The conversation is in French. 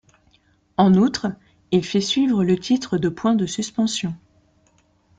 En outre, il fait suivre le titre de points de suspension.